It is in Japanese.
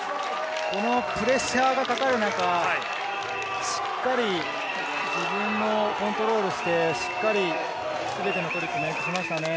プレッシャーがかかる中、しっかり自分のコントロールして、しっかり全てのトリックを乗せてきましたね。